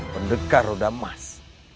pendekar roda mas